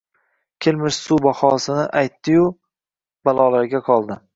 kelmish suv bahonasini aytdi-yu... balolarga qoldi!